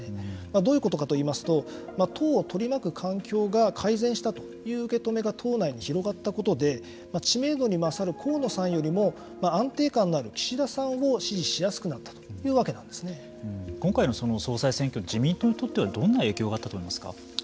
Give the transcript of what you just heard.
どういうことかといいますと党を取り巻く環境が改善したという受けとめが党内に広がったことで知名度に勝る河野さんよりも安定感のある岸田さんを支持しやすくなった今回の総裁選挙自民党にとってはどんな影響があったと思いますか。